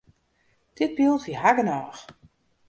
Dit byld wie har genôch.